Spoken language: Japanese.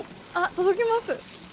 届きます？